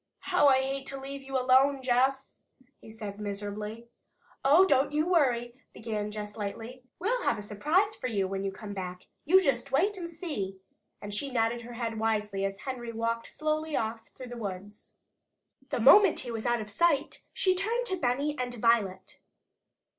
"How I hate to leave you alone, Jess!" he said miserably. "Oh, don't you worry," began Jess lightly. "We'll have a surprise for you when you come back. You just wait and see!" And she nodded her head wisely as Henry walked slowly off through the woods. The moment he was out of sight she turned to Benny and Violet.